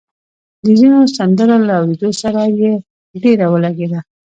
د ځينو سندرو له اورېدو سره يې ډېره ولګېده